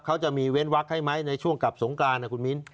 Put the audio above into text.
เขาจะมีเว้นวักให้ไหมในช่วงกลับสงกรานนะคุณมิ้น